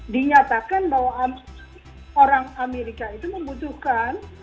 dinyatakan bahwa orang amerika itu membutuhkan